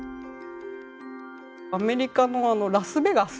アメリカのあのラスベガス。